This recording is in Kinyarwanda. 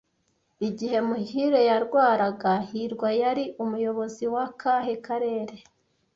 Igihe Muhire yarwaraga, Hirwa yari umuyobozi wa akahe karere